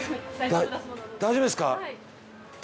大丈夫です。